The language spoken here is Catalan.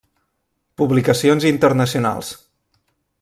Publicacions Internacionals.